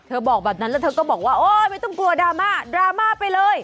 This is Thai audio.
บอกแบบนั้นแล้วเธอก็บอกว่าโอ๊ยไม่ต้องกลัวดราม่าดราม่าไปเลย